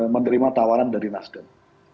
menerima tawaran dari nasdem